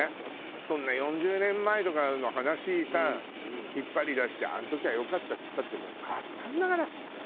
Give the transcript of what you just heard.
そんな４０年前とかの話さ引っ張り出して「あの時は良かった」っつったってもう変わったんだから。